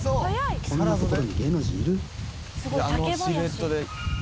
あのシルエットで。